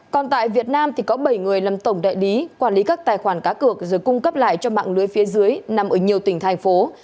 còn tại việt nam thì có bảy người làm tổng đại lý quản lý các tài khoản cá cược rồi cung cấp lại cho mạng lưới phía dưới nằm ở nhiều tỉnh thành phố